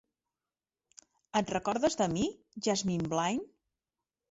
Et recordes de mi, Jasmine Bligh?